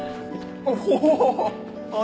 お！